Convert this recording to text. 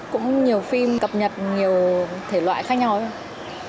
cũng nhiều phim cập nhật nhiều thể loại khác nhau thôi